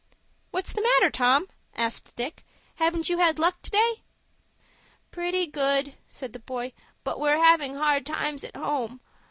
"What's the matter, Tom?" asked Dick. "Haven't you had luck to day?" "Pretty good," said the boy; "but we're havin' hard times at home.